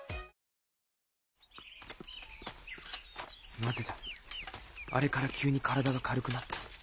なぜだあれから急に体が軽くなった